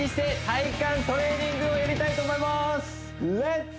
体幹トレーニングをやりたいと思いますレッツ！